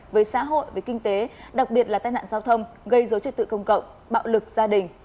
với xã hội với kinh tế đặc biệt là tai nạn giao thông gây dấu trật tự công cộng bạo lực gia đình